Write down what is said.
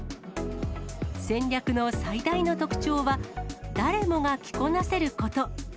戦略の最大の特徴は、誰もが着こなせること。